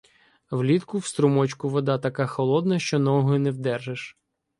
Влітку в струмочку вода така холодна, що ноги не вдержиш.